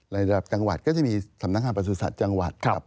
ระดับจังหวัดก็จะมีสำนักงานประสุทธิ์ศาสตร์จังหวัด